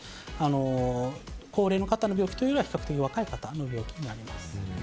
高齢の方の病気というよりは比較的、若い方の病気になります。